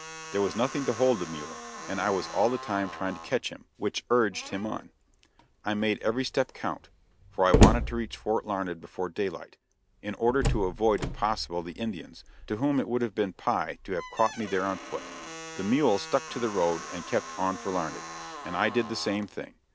There was nothing to hold the mule, and I was all the time trying to catch him which urged him on. I made every step count, for I wanted to reach Fort Larned before daylight, in order to avoid if possible the Indians, to whom it would have been "pie" to have caught me there on foot. The mule stuck to the road and kept on for Larned, and I did the same thing.